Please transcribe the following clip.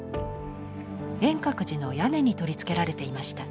円覚寺の屋根に取り付けられていました。